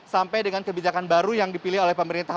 sampai dengan kebijakan baru yang dipilih oleh pemerintah